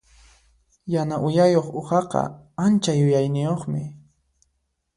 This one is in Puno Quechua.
Yana uyayuq uhaqa ancha yuyayniyuqmi.